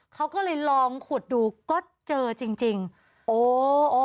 เขาก็เลยลองขุดดูก็เจอจริงจริงโอ้โอ้